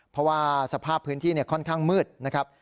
เพราะว่าสภาพพื้นที่ค่อนข้างมืดนะครับ